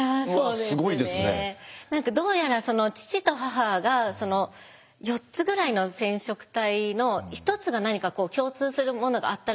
どうやら父と母が４つぐらいの染色体の１つが何かこう共通するものがあったらしいんですね。